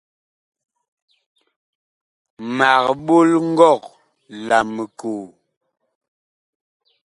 Mag ɓol ngɔg la mikoo.